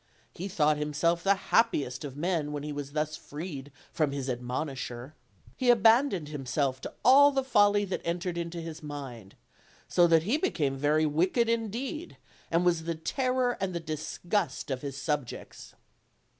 He thought himself the happiest of men when he was thus freed from his admouisher. He abandoned himself to all the folly that entered into his mind; so that he be came very wicked indeed, and was the terror and the disgust of his subjects.